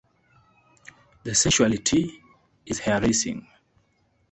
The sensuality is hair-raising.